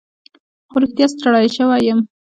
خو رښتیا ستړی شوی یم.